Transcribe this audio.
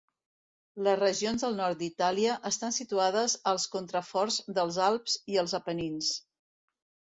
Les regions del nord d'Itàlia estan situades als contraforts dels Alps i els Apenins.